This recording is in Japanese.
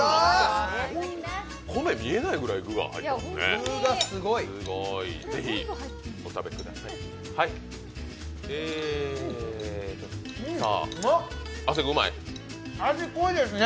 米が見えないぐらい具が入ってるね。